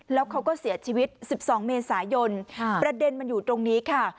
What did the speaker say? แล้วเขาก็เสียชีวิต๑๒เมษายนประเด็นมันอยู่ตรงนี้ค่ะ